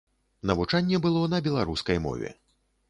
Навучанне было на беларускай мове.